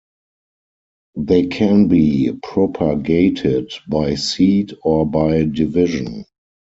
They can be propagated by seed or by division.